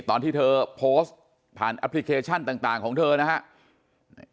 ตอนที่เธอโพสต์ผ่านแอปพลิเคชันต่างของเธอนะครับ